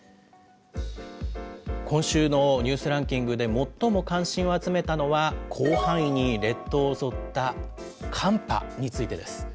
今週のニュースランキングで最も関心を集めたのは、広範囲に列島を襲った寒波についてです。